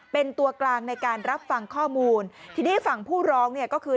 เป็นตัวกลางในการรับฟังข้อมูลทีนี้ฝั่งผู้ร้องเนี่ยก็คือ